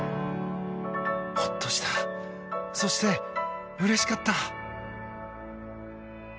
ほっとしたそして、うれしかった。